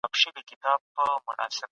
کیسې ولولئ.